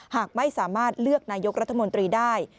หากไม่สามารถเลือกนายกรัฐมนตรีได้